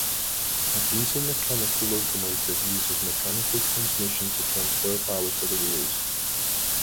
A diesel–mechanical locomotive uses mechanical transmission to transfer power to the wheels.